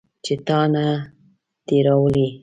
چې تا نه دي راوړي